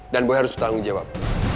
dan boy harus bertanggung jawab